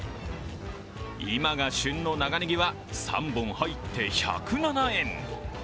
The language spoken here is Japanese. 今が旬の長ねぎは３本入って１０７円。